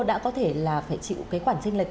đã có thể là phải chịu cái khoản tranh lệch